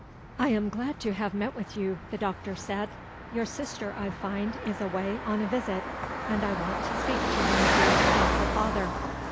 "I am glad to have met with you," the doctor said. "Your sister, I find, is away on a visit; and I want to speak to one of you about your father."